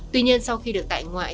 tuy nhiên sau khi được tại ngoại